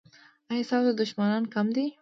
ایا ستاسو دښمنان کم دي؟